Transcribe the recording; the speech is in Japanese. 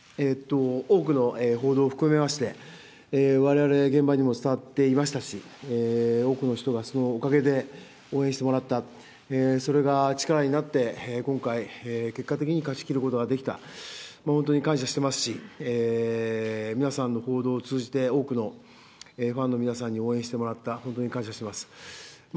多くの報道を含めまして、われわれ現場にも伝わっていましたし、多くの人がそのおかげで応援してもらった、それが力になって、今回、結果的に勝ちきることができた、本当に感謝してますし、皆さんの報道を通じて多くのファンの皆さんに応援してもらった、本当に感謝してます。